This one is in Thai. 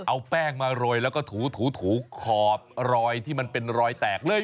เอาแป้งมาโรยแล้วก็ถูขอบรอยที่มันเป็นรอยแตกเลย